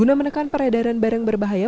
guna menekan peredaran barang berbahaya